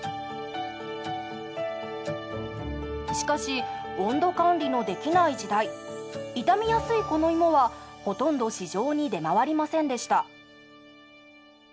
しかし温度管理のできない時代傷みやすいこの芋はほとんど市場に出回りませんでした。